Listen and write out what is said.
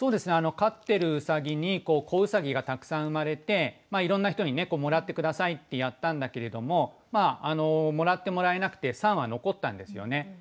飼ってるうさぎに子うさぎがたくさん生まれていろんな人にねもらって下さいってやったんだけれどももらってもらえなくて三羽残ったんですよね。